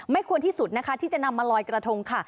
ควรที่สุดนะคะที่จะนำมาลอยกระทงค่ะ